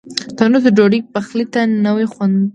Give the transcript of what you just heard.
تنور د ډوډۍ پخلي ته نوی خوند ورکوي